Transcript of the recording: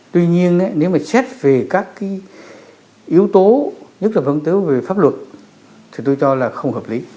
tuy nhiên nếu mà xét về các yếu tố nhất là phương tiếu về pháp luật thì tôi cho là không hợp lý